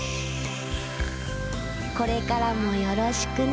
これからもよろしくね。